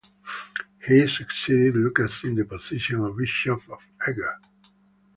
He succeeded Lucas in the position of Bishop of Eger.